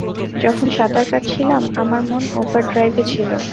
যখন সাঁতার কাটছিলাম, আমার মন ওভারড্রাইভে ছিল।